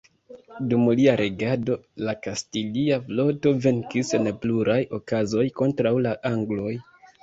Dum lia regado, la kastilia floto venkis en pluraj okazoj kontraŭ la angloj.